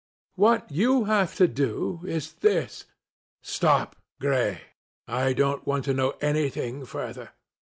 What you have to do is this—" "Stop, Gray. I don't want to know anything further.